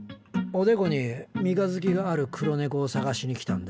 おでこに三日月がある黒猫を捜しに来たんだ。